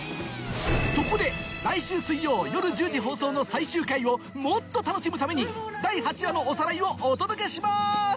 そこで来週水曜夜１０時放送の最終回をもっと楽しむために第８話のおさらいをお届けします！